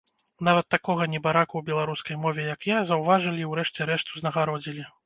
Нават такога небараку ў беларускай мове як я, заўважылі і ў рэшце рэшт узнагародзілі.